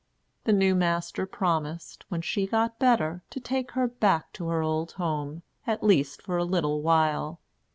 The new master promised, when she got better, to take her back to her old home, at least for a little while.